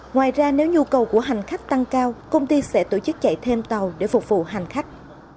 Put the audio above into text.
ngoài ra nếu nhu cầu của hành khách tăng cao công ty sẽ tổ chức chạy thêm tàu để phục vụ hành khách